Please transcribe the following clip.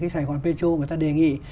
sài gòn pê châu người ta đề nghị